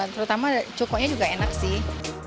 terutama cukoknya juga enak sih